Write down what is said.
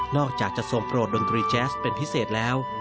อกจากจะทรงโปรดดนตรีแจ๊สเป็นพิเศษแล้ว